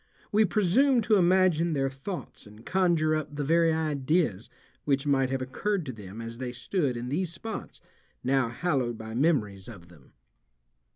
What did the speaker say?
We presume to imagine their thoughts and conjure up the very ideas which might have occurred to them as they stood in these spots now hallowed by memories of them.